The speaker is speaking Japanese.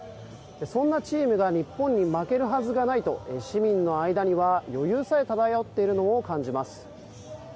そんなチームが日本に負けるはずがないと市民の間には余裕さえ漂っているのを感じます。